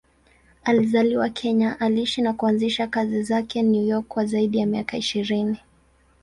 Alizaliwa Kenya, aliishi na kuanzisha kazi zake New York kwa zaidi ya miaka ishirini.